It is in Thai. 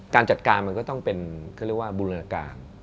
การจัดการมันก็ต้องเป็นเขาเรียกว่าบูรณาการ